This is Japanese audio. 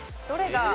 どれが。